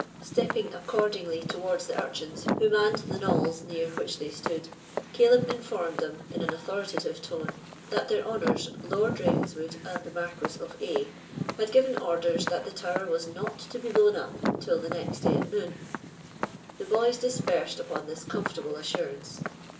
Stepping accordingly towards the urchins who manned the knolls near which they stood, Caleb informed them, in an authoritative tone, that their honours Lord Ravenswood and the Marquis of A—— had given orders that the tower was not to be blow up till next day at noon. The boys dispersed upon this comfortable assurance.